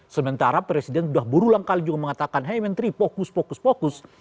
sementara presiden sudah berulang kali juga mengatakan hey menteri fokus fokus